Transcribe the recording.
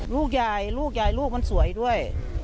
ลูกยายลูกยายลูกมันสวยด้วย